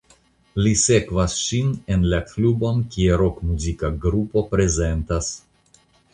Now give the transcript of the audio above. Li sekvas ŝin en la klubon kie rokmuzika grupo prezentas.